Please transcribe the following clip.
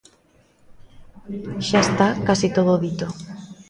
Xa está case todo dito.